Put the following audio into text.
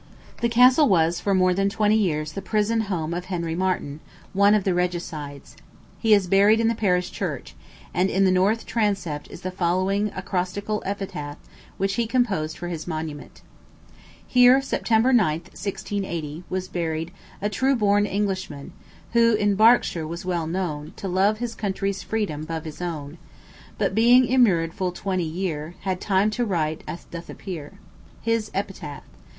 This castle was for more than twenty years the prison home of Henry Marten, one of the regicides. He is buried in the parish church, and in the north transept is the following acrostical epitaph which he composed for his monument: Here, September 9, 1680, was buried A TRUE BORN ENGLISHMAN, Who in Berkshire was well known To love his country's freedom 'bove his own; But being immured full twenty year, Had time to write, as doth appear. HIS EPITAPH.